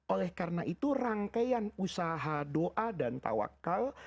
oleh karena itu rangkaian usaha doa dan tawakal